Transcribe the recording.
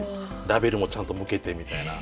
ラベルもちゃんと向けてみたいな。